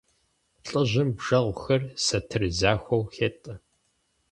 ЛӀыжьым бжэгъухэр сатыр захуэу хетӀэ.